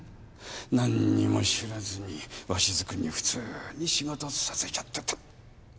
何にも知らずに鷲津君に普通に仕事させちゃってた。